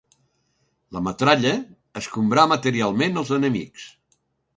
La metralla escombrà materialment els enemics.